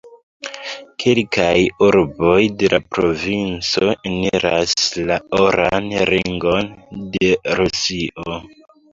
Kelkaj urboj de la provinco eniras la Oran Ringon de Rusio.